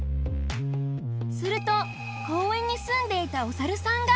すると公園にすんでいたお猿さんが